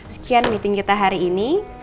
sekian meeting kita hari ini